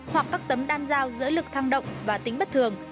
hoặc các tấm đan dao giữa lực thang động và tính bất thường